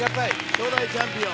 初代チャンピオン！